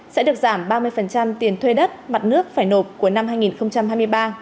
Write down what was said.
sẽ được giảm ba mươi tiền thuê đất mặt nước phải nộp của năm hai nghìn hai mươi ba